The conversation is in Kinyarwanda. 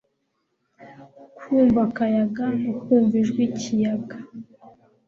kwumva akayaga no kumva ijwi kiyaga